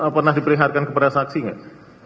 pernah diperlihatkan kepada saksi nggak